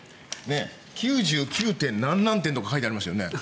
９９何々点とか書いてありますよね